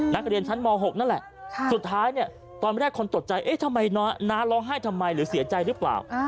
นักเรียนชั้นม๖นั่นแหละสุดท้ายเนี่ยตอนแรกคนตกใจเอ๊ะทำไมน้าร้องไห้ทำไมหรือเสียใจหรือเปล่า